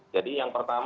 jadi yang pertama